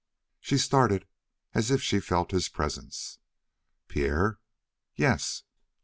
She started, as if she felt his presence. "P P Pierre!" "Yes?"